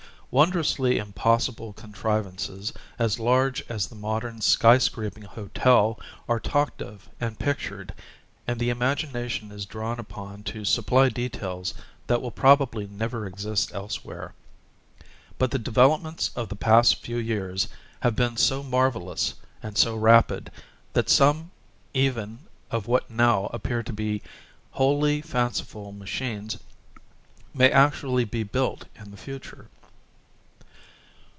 Wondrously impossible contrivances as large as the modern sky scraping hotel are talked of and pictured, and the imagination is drawn upon to supply details that will probably never exist else where. But the developments of the past few years have been so marvelous and so rapid that some even of what now appear to be wholly fanciful machines may actually be built in the future.